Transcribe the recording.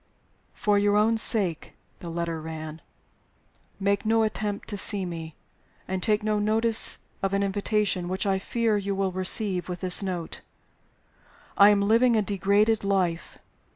"For your own sake" (the letter ran) "make no attempt to see me, and take no notice of an invitation which I fear you will receive with this note. I am living a degraded life.